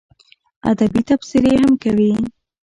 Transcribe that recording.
ادبي تبصرې هم کوي.